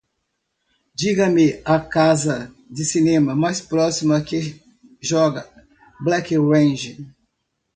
Diga-me a casa de cinema mais próxima que joga Black Rage